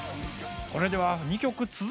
それでは２曲続けて。